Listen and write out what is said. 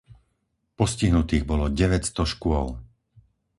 Postihnutých bolo deväťsto škôl.